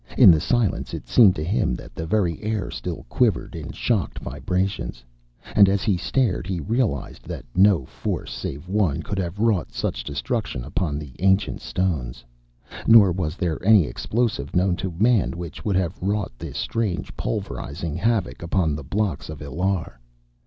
In the silence it seemed to him that the very air still quivered in shocked vibrations. And as he stared he realized that no force save one could have wrought such destruction upon the ancient stones. Nor was there any explosive known to man which would have wrought this strange, pulverizing havoc upon the blocks of Illar.